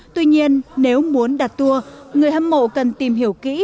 tuy nhiên nếu muốn đặt tour người hâm mộ cần tìm hiểu kỹ